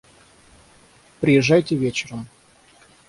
Приезжайте вечером.